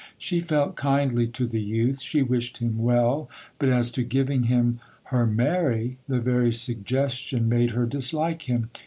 She felt kindly to the youth; she wished him well; but as to giving him her Mary!—the very suggestion made her dislike him.